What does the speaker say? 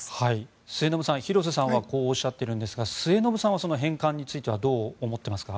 末延さん、廣瀬さんはこうおっしゃっているんですが末延さんは返還についてはどう思っていますか？